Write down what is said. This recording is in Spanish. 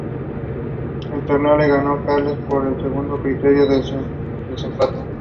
El torneo lo ganó Carlsen por el segundo criterio de desempate.